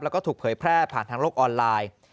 แล้วก็ถูกเผยแพร่ผ่านทางโลกออนไลน์